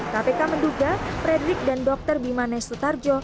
kpk menduga frederick dan dr bima nesutarjo